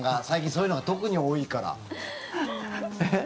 最近そういうのが特に多いから。